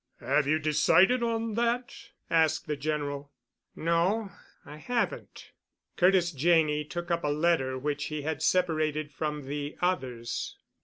"Have you decided on that?" asked the General. "No, I haven't." Curtis Janney took up a letter which he had separated from the others.